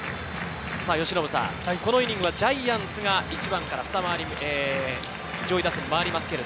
このイニングはジャイアンツが１番からふた回り目、上位打線を回ります。